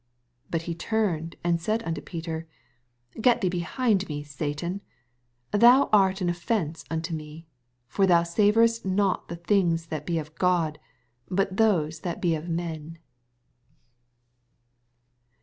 23 But he turned^ and said unto Peter, Get thee behmd me, Satan: thou art an offence unto me : for thou savorest not the things that be of God, but those that be of men.